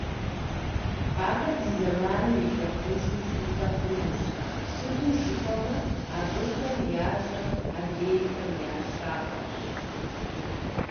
Ахэр ди зэманым и лӏыхъужьу тлъытэ хъунущ, сыту жыпӏэмэ, абыхэм ящӏэр адрейхэм я щапхъэщ.